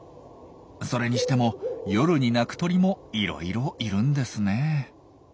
それにしても夜に鳴く鳥もいろいろいるんですね。